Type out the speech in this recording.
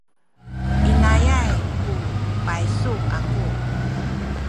inayay ku paysu aku.